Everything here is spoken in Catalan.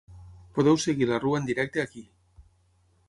Podeu seguir la rua en directe ací.